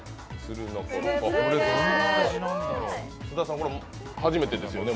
津田さん、これは初めてですよね？